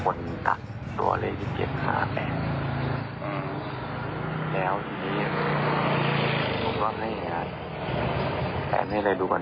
ผมเป็นคนตัดตัวเลขที่๗๘แหล่วที่นี่ผมก็ให้แผนให้เลยดูก่อน